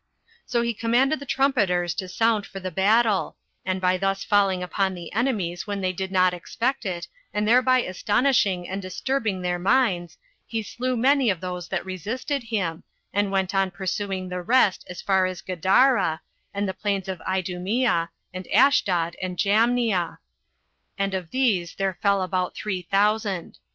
So he commanded the trumpeters to sound for the battle; and by thus falling upon the enemies when they did not expect it, and thereby astonishing and disturbing their minds, he slew many of those that resisted him, and went on pursuing the rest as far as Gadara, and the plains of Idumea, and Ashdod, and Jamnia; and of these there fell about three thousand.